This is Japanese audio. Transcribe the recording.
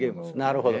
なるほど。